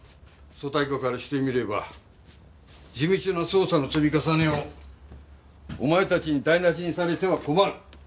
組対課からしてみれば地道な捜査の積み重ねをお前たちに台無しにされては困る。